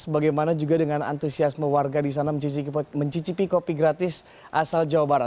bagaimana juga dengan antusiasme warga di sana mencicipi kopi gratis asal jawa barat